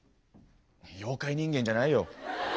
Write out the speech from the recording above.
妖怪人間じゃないよ。